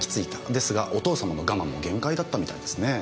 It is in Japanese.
ですがお父様の我慢も限界だったみたいですねぇ。